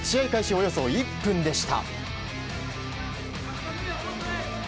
およそ１分でした。